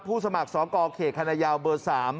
ผู้สมัครสองกรเขตคณะยาวเบอร์๓